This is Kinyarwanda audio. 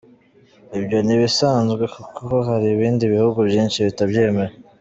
Ibyo ntibisanzwe kuko hari ibindi bihugu byinshi bitabyemera.